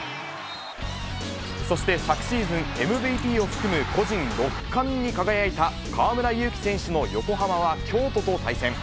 そして、昨シーズン、ＭＶＰを含む個人６冠に輝いた河村勇輝選手の横浜は、京都と対戦。